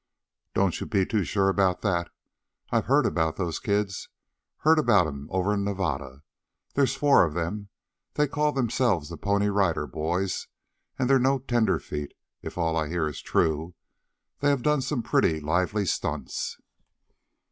"Don't you be too sure about that. I've heard about those kids. Heard about 'em over in Nevada. There's four of them. They call themselves the Pony Rider Boys; and they're no tenderfeet, if all I hear is true. They have done some pretty lively stunts."